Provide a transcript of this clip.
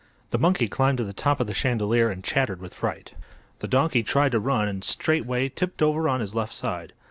The monkey climbed to the top of the chandelier and chattered with fright. The donkey tried to run and straightway tipped over on his left side.